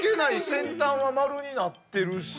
先端は丸になってるし。